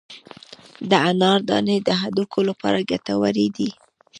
د انار دانې د هډوکو لپاره ګټورې دي.